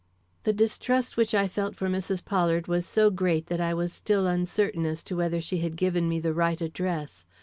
The distrust which I felt for Mrs. Pollard was so great that I was still uncertain as to whether she had given me the right address.